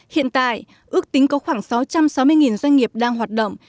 hiện tại ước tính có khoảng sáu trăm sáu mươi doanh nghiệp đang hoạt động